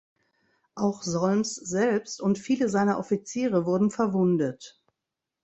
Auch Solms selbst und viele seiner Offiziere wurden verwundet.